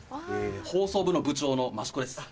放送部の部長の益子です。